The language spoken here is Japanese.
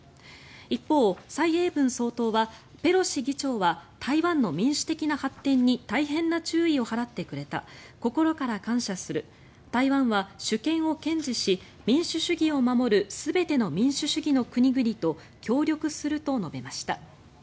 一方、蔡英文総統はペロシ議長は台湾の民主的な発展に大変な注意を払ってくれた心から感謝する台湾は主権を堅持し民主主義を守る全ての民主主義の国々と協力すると述べました。